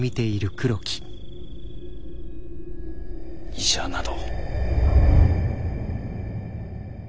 医者など。